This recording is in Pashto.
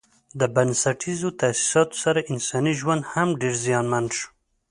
د بنسټیزو تاسیساتو سره انساني ژوند هم ډېر زیانمن شو.